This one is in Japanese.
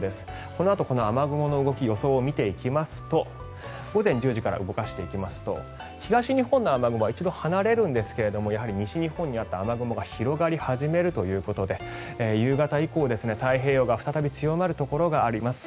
このあと、この雨雲の動き予想を見ていきますと午前１０時から動かしていきますと東日本の雨雲は一度離れるんですがやはり西日本にあった雨雲が広がり始めるということで夕方以降、太平洋側再び強まるところがあります。